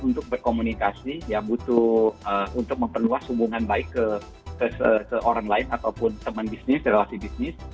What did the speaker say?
untuk berkomunikasi ya butuh untuk memperluas hubungan baik ke orang lain ataupun teman bisnis relasi bisnis